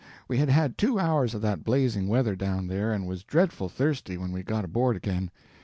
We had had two hours of that blazing weather down there, and was dreadful thirsty when we got aboard again.